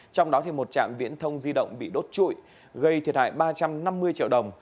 trong đó một trạm viễn thông di động bị đốt trụi gây thiệt hại ba trăm năm mươi triệu đồng